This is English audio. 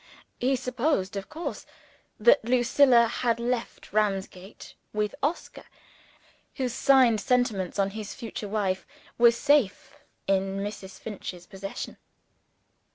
He supposed, of course, that Lucilla had left Ramsgate with Oscar whose signed settlements on his future wife were safe in Mr. Finch's possession.